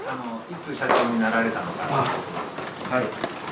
いつ社長になられたのかとか。